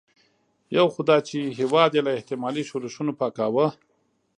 یو خو دا چې هېواد یې له احتمالي ښورښونو پاکاوه.